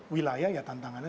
wilayah ya tantangannya